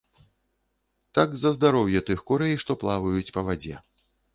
Так за здароўе тых курэй, што плаваюць па вадзе.